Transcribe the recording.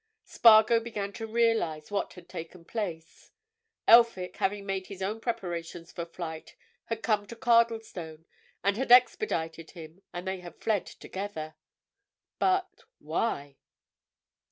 Spargo began to realize what had taken place—Elphick, having made his own preparations for flight, had come to Cardlestone, and had expedited him, and they had fled together. But—why?